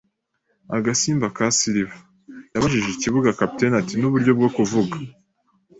“Agasimba ka silver?” yabajije ikibuga. Kapiteni ati: "Nuburyo bwo kuvuga."